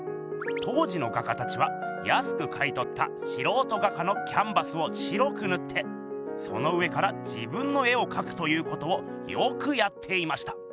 当時の画家たちはやすく買いとったしろうと画家のキャンバスを白くぬってその上から自分の絵をかくということをよくやっていました。